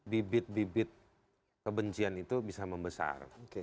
bibit bibit kebencian itu bisa membesar